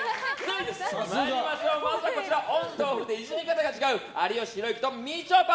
まずはこちら、オンとオフでイジり方が違う有吉弘行とみちょぱ